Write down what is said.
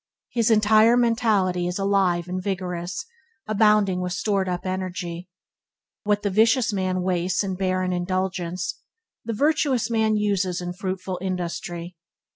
His entire mentality is alive and vigorous, abounding with stored up energy. What the vicious man wastes in barren indulgence, the virtuous man uses in fruitful industry.